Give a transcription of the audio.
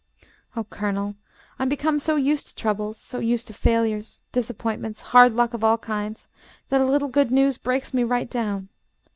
"Oh, Colonel, I am become so used to troubles, so used to failures, disappointments, hard luck of all kinds, that a little good news breaks me right down.